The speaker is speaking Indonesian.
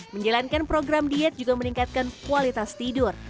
menjalankan program diet juga meningkatkan kualitas tidur